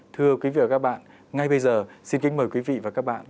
thưa quý vị và các bạn ngay bây giờ xin kính mời quý vị và các bạn